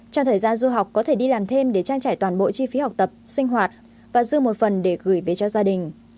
trong thời gian du học có thể đi làm thêm để trang trải toàn bộ chi phí học tập sinh hoạt và dư một phần để gửi về cho gia đình